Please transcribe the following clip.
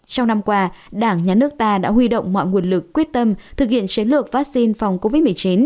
trong năm qua đảng nhà nước ta đã huy động mọi nguồn lực quyết tâm thực hiện chiến lược vaccine phòng covid một mươi chín